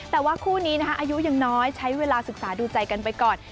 แต่ว่าคู่นี้นะคะอายุยังน้อยใช้เวลาศึกษาดูใจกันไปก่อน